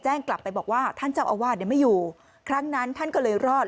กลับไปบอกว่าท่านเจ้าอาวาสเนี่ยไม่อยู่ครั้งนั้นท่านก็เลยรอด